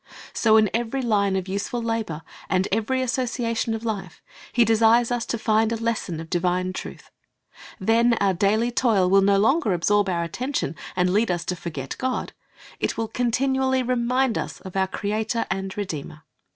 So in every line of useful labor and every association of life, He desires us to find a lesson of divine truth. Then our daily toil will no longer absorb our attention and lead Te a c It i n z i ft P(i rabies 27 us to forget God; it will continually remind us of our Creator and Redeemer.